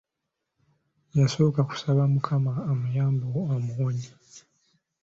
Yasooka kusaba Mukama amuyambe amuwonye.